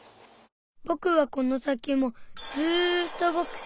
ぼくはこの先もずっとぼく。